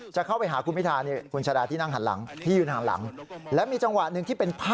จะเข้าไปหาคุณพิธาเนี่ยคุณชาดาที่นั่งหันหลังที่อยู่ทางหลัง